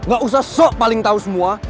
gak usah sok paling tahu semua